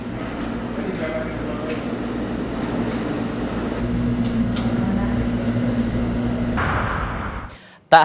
dengan endopaunis mereka yang bisa tawarkan